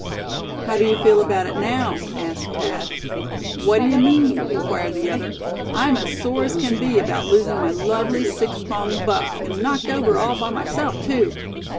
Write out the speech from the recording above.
"How do you feel about it now?" asked Thad. "What do you mean?" inquired the other. "I'm as sore as can be about losing my lovely six pronged buck, and knocked over all by myself, too.